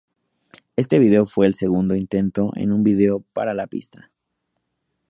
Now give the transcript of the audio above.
Este video fue el segundo intento en un vídeo para la pista.